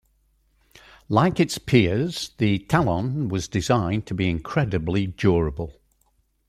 Like its peers, the Talon was designed to be incredibly durable.